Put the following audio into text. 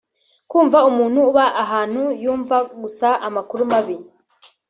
kumva umuntu uba ahantu yumva gusa amakuru mabi